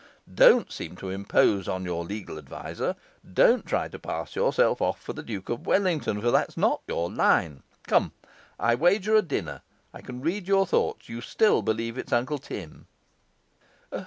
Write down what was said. Don't seek to impose on your legal adviser; don't try to pass yourself off for the Duke of Wellington, for that is not your line. Come, I wager a dinner I can read your thoughts. You still believe it's Uncle Tim.